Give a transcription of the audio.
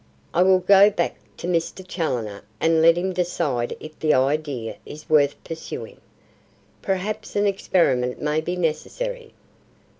"I will go back to Mr. Challoner and let him decide if the idea is worth pursuing. Perhaps an experiment may be necessary.